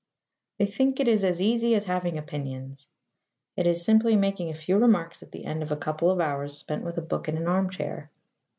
They think it is as easy as having opinions. It is simply making a few remarks at the end of a couple of hours spent with a book in an armchair.